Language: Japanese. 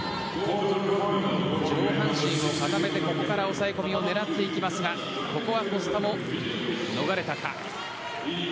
上半身を固めてここから抑え込みを狙っていきますがここはコスタも逃れたか。